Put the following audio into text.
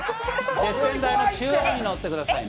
絶縁体の中央にのってくださいね。